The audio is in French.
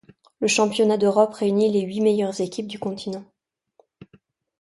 Le Championnat d'Europe réunit les huit meilleures équipes du continent.